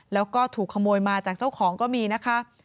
แล้วก็ถูกขโมยมาจากเจ้าของก็มีนะคะ